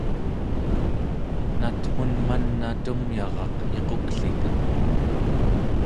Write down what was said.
natmun man'a tumyaraq iquklita?